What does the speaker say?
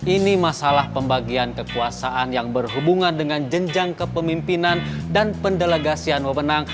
ini masalah pembagian kekuasaan yang berhubungan dengan jenjang kepemimpinan dan pendelegasian wawenang